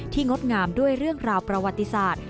งดงามด้วยเรื่องราวประวัติศาสตร์